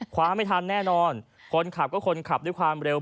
ความไม่ทันแน่นอนคนขับก็คนขับด้วยความเร็ว